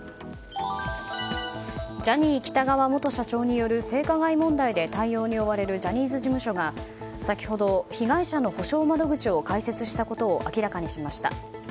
ジャニー喜多川元社長による性加害問題で対応に追われるジャニーズ事務所が先ほど被害者の補償窓口を開設したことを明らかにしました。